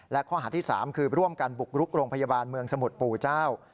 และข้อหาที่๓คือร่วมกันบุกรุกโรงพยาบาลเมืองสมุทรปู่เจ้า